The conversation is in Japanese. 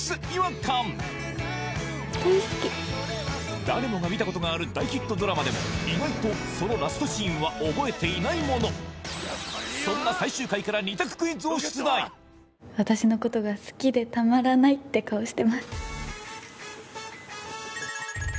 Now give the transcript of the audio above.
大好き誰もが見たことがある大ヒットドラマでも意外とそのラストシーンは覚えていないものそんな私のことが好きでたまらないって顔してます